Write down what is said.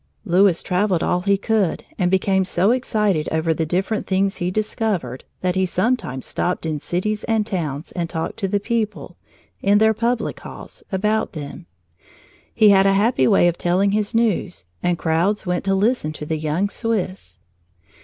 Louis traveled all he could and became so excited over the different things he discovered that he sometimes stopped in cities and towns and talked to the people, in their public halls, about them. He had a happy way of telling his news, and crowds went to listen to the young Swiss.